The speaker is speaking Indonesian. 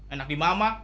enak di mama